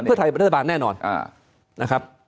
เพื่อไทยเป็นรัฐบาลแน่นอนนะครับ